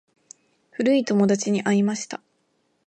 古い友達に会いました。